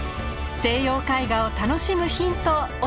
西洋絵画を楽しむヒント教えます！